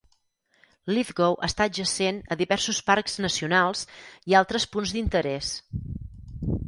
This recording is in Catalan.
Lithgow està adjacent a diversos parcs nacionals i altres punts d'interés.